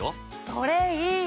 それいい！